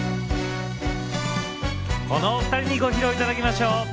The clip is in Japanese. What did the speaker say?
この２人にご披露いただきましょう。